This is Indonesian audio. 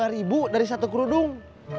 lima ribu dari satu kerudung